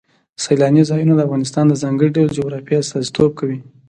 سیلانی ځایونه د افغانستان د ځانګړي ډول جغرافیه استازیتوب کوي.